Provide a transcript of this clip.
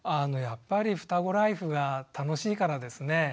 やっぱりふたごライフが楽しいからですね。